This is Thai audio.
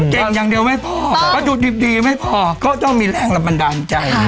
เก่งอย่างเดียวไม่พอประจุดดีไม่พอก็ต้องมีแรงระบันดาลใจ